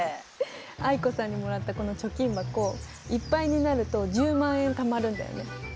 藍子さんにもらったこの貯金箱いっぱいになると１０万円たまるんだよね。